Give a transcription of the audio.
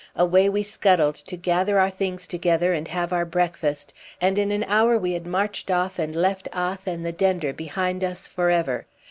Away we scuttled to gather our things together and have our breakfast, and in an hour we had marched off and left Ath and the Dender behind us for ever.